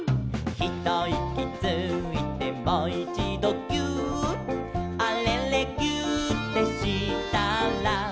「ひといきついてもいちどぎゅーっ」「あれれぎゅーってしたら」